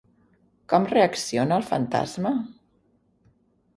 Com reacciona el fantasma?